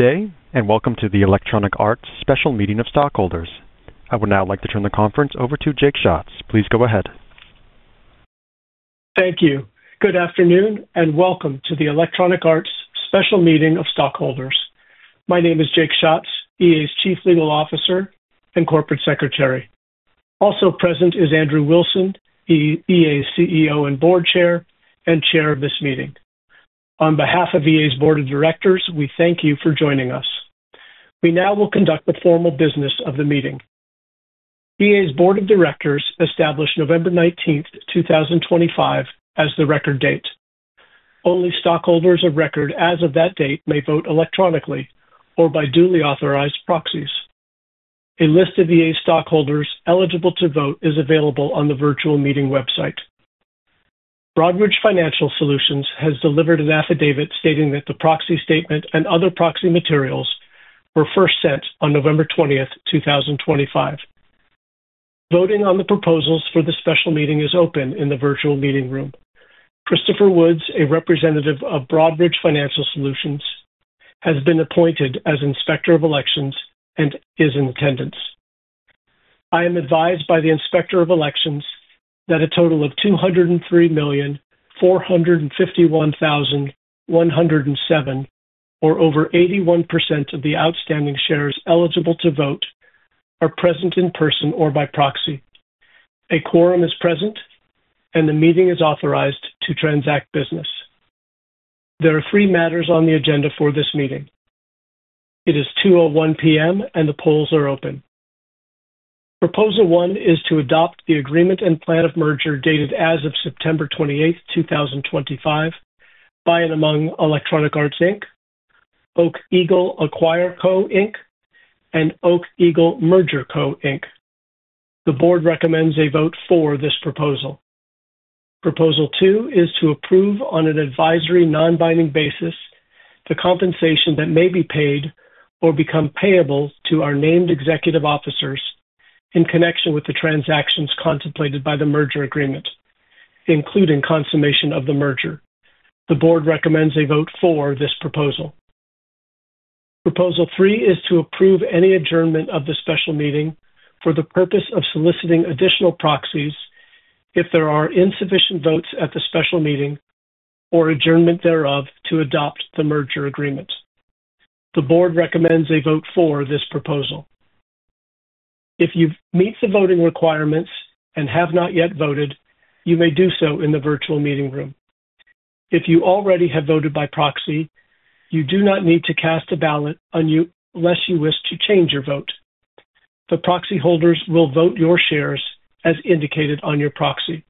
Good day, and welcome to the Electronic Arts Special Meeting of Stockholders. I would now like to turn the conference over to Jake Schatz. Please go ahead. Thank you. Good afternoon, and welcome to the Electronic Arts Special Meeting of Stockholders. My name is Jake Schatz, EA's Chief Legal Officer and Corporate Secretary. Also present is Andrew Wilson, EA's CEO and Board Chair, and Chair of this meeting. On behalf of EA's Board of Directors, we thank you for joining us. We now will conduct the formal business of the meeting. EA's Board of Directors established November 19, 2025, as the record date. Only stockholders of record as of that date may vote electronically or by duly authorized proxies. A list of EA stockholders eligible to vote is available on the virtual meeting website. Broadridge Financial Solutions has delivered an affidavit stating that the proxy statement and other proxy materials were first sent on November 20, 2025. Voting on the proposals for the special meeting is open in the virtual meeting room. Christopher Wood, a representative of Broadridge Financial Solutions, has been appointed as Inspector of Elections and is in attendance. I am advised by the Inspector of Elections that a total of 203,451,107, or over 81% of the outstanding shares eligible to vote, are present in person or by proxy. A quorum is present, and the meeting is authorized to transact business. There are three matters on the agenda for this meeting. It is 2:01 P.M., and the polls are open. Proposal one is to adopt the Agreement and Plan of Merger dated as of September 28, 2025, by and among Electronic Arts Inc., Oak-Eagle AcquireCo, Inc., and Oak-Eagle MergerCo, Inc. The Board recommends a vote for this proposal. Proposal two is to approve on an advisory non-binding basis the compensation that may be paid or become payable to our named executive officers in connection with the transactions contemplated by the merger agreement, including consummation of the merger. The Board recommends a vote for this proposal. Proposal three is to approve any adjournment of the special meeting for the purpose of soliciting additional proxies if there are insufficient votes at the special meeting or adjournment thereof to adopt the merger agreement. The Board recommends a vote for this proposal. If you meet the voting requirements and have not yet voted, you may do so in the virtual meeting room. If you already have voted by proxy, you do not need to cast a ballot unless you wish to change your vote. The proxy holders will vote your shares as indicated on your proxy.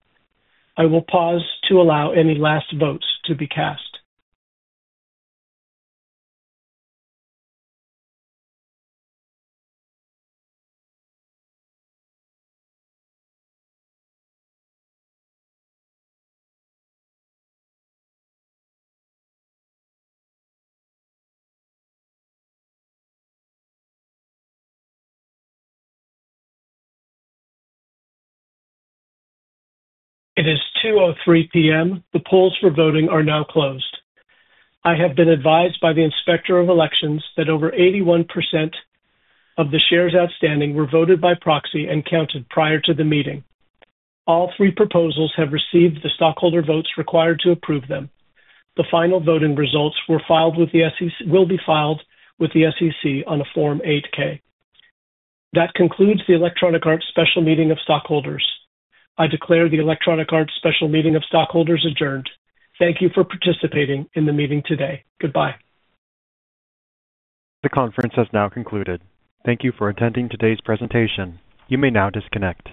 I will pause to allow any last votes to be cast. It is 2:03 P.M. The polls for voting are now closed. I have been advised by the Inspector of Elections that over 81% of the shares outstanding were voted by proxy and counted prior to the meeting. All three proposals have received the stockholder votes required to approve them. The final voting results will be filed with the SEC on a Form 8-K. That concludes the Electronic Arts Special Meeting of Stockholders. I declare the Electronic Arts Special Meeting of Stockholders adjourned. Thank you for participating in the meeting today. Goodbye. The conference has now concluded. Thank you for attending today's presentation. You may now disconnect.